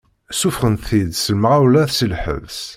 Ssufɣen-t-id s lemɣawla si lḥebs.